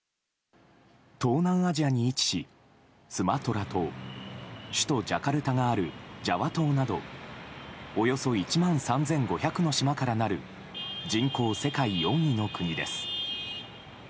東南アジアに位置しスマトラ島首都ジャカルタがあるジャワ島などおよそ１万３５００の島からなる人口世界４位の国です。